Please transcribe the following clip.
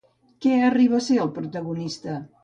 Què arriba a ser el protagonista?